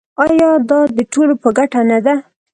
آیا دا د ټولو په ګټه نه ده؟